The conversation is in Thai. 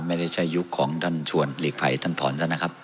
ไม่ใช่ยุคของท่านชวนหลีกภัยท่านถอนท่านนะครับ